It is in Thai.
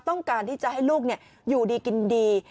ต้องการที่จะให้ลูกอยู่ดีกินดี